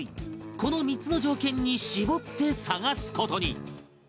この３つの条件に絞って探す事に